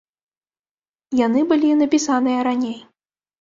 Яны былі напісаныя раней.